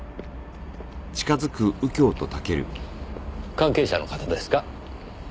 関係者の方ですか？